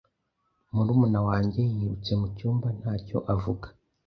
Murumuna wanjye yirutse mucyumba ntacyo avuga.